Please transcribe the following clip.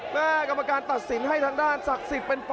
เอาล่ะทุกคนทุกคน